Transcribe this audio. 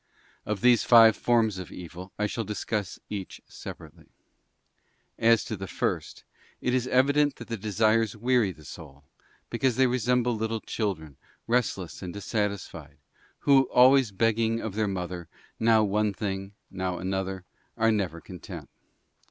Of these five forms of evil, I shall discuss each separately. As to the first, it is evident that the desires weary the soul, because they resemble little children, restless and dissatisfied, who always begging of their mother, now one thing, now another, are never content.